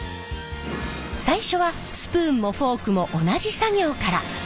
最初はスプーンもフォークも同じ作業から。